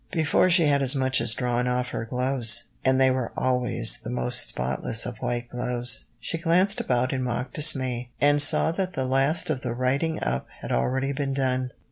"Before she had as much as drawn off her gloves and they were always the most spotless of white gloves she glanced about in mock dismay, and saw that the last of the righting up had already been done."